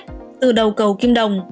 từ đầu cầu kim đồng